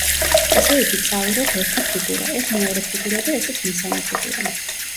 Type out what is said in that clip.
ესე იგი წავიღეთ ერთი ფიგურა, ეს მეორე ფიგურა და ესეც მესამე ფიგურა.